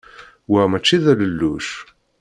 Wa mačči d alelluc!